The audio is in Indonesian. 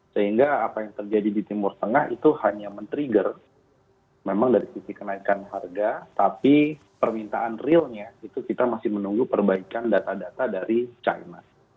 sehingga apa yang terjadi di timur tengah itu hanya men trigger memang dari sisi kenaikan harga tapi permintaan realnya itu kita masih menunggu perbaikan data data dari china